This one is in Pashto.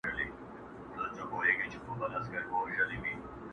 ما پر سترګو د ټولواک امر منلی٫